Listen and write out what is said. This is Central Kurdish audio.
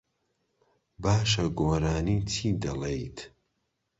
باشە، گۆرانیی چی دەڵێیت؟